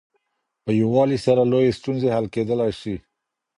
په يووالي سره لويې ستونزې حل کيدلای سي.